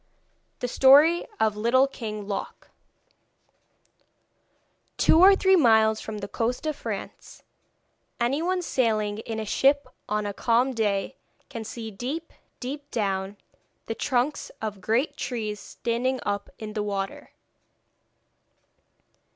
THE STORY OF LITTLE KING LOC Two or three miles from the coast of France, anyone sailing in a ship on a calm day can see deep, deep down, the trunks of great trees standing up in the water.